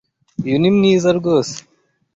Uyu ni mwiza rwose.